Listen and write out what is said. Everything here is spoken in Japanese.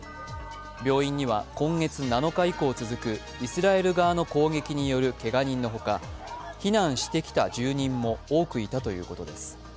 病院には今月７日以降続くイスラエル側の攻撃によるけが人のほか避難してきた住人も多くいたということです。